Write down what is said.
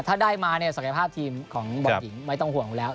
ถ้าได้มาเนี่ยศักยภาพทีมของบอลหญิงไม่ต้องห่วงแล้ว